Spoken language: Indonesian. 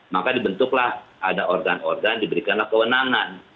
maka dibentuklah ada organ organ diberikanlah kewenangan